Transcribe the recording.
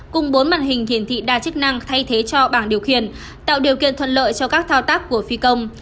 cùng bốn màn hình hiển thị đa chức năng thay thế cho bảng điều khiển tạo điều kiện thuận lợi cho các thao tác của phi công